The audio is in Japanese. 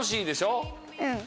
うん。